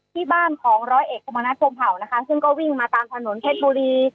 ที่บ้านของร้อยเอกขบรรดาโพงเผานะคะเชิงก็วิ่งมาตามถนนเพจบุรี